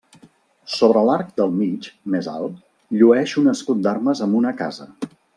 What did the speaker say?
Sobre l'arc del mig, més alt, llueix un escut d'armes amb una casa.